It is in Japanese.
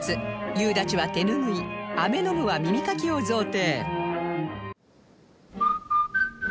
「夕立」は手ぬぐい「飴飲む」は耳かきを贈呈